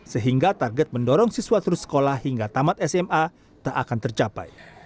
sehingga target mendorong siswa terus sekolah hingga tamat sma tak akan tercapai